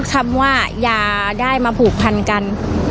คำว่าอย่าได้มาผูกพันกัน